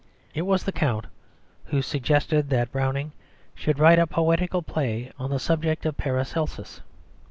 It was the Count who suggested that Browning should write a poetical play on the subject of Paracelsus.